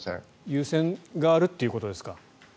優先があるということですか。